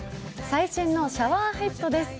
最新のシャワーヘッドです。